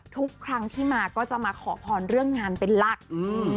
ทุกครั้งที่มาก็จะมาขอพรเรื่องงานเป็นหลักอืม